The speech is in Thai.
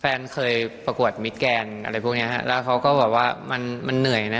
แฟนเคยประกวดมิดแกนอะไรพวกเนี้ยฮะแล้วเขาก็บอกว่ามันมันเหนื่อยนะ